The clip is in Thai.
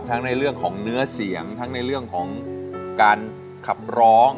ในเรื่องของเนื้อเสียงทั้งในเรื่องของการขับร้อง